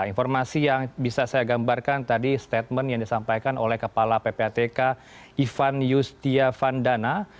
informasi yang bisa saya gambarkan tadi statement yang disampaikan oleh kepala ppatk ivan yustiavandana